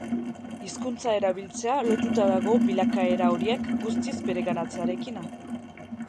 Hizkuntza erabiltzea lotuta dago bilakaera horiek guztiz bereganatzearekin.